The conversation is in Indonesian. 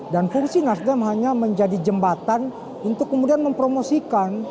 dan fungsi nasdem hanya menjadi jembatan untuk kemudian mempromosikan